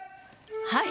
はい。